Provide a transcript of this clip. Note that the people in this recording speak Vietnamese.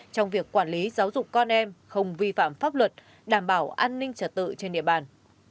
trong việc quản lý giáo dục con em không vi phạm pháp luật đảm bảo an ninh trật tự trên địa bàn